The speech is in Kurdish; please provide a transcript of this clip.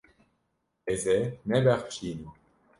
Ez ê nebexşînim.